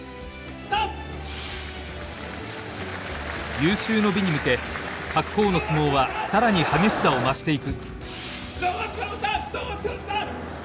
有終の美に向け白鵬の相撲は更に激しさを増していく。